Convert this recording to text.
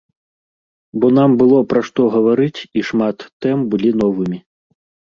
Бо нам было пра што гаварыць і шмат тэм былі новымі.